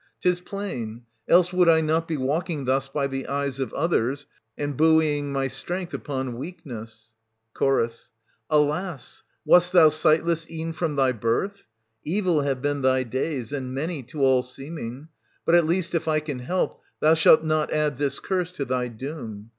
— Tis plain ; else would I not be walking thus by the eyes of others, and buoying my strength upon weakness. ant.i. Ch. Alas! wast thou sightless e'en from thy birth? 150 Evil have been thy days, and many, to all seeming ; but at least, if I can help, thou shalt not add this curse to thy doom.